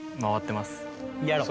やろう。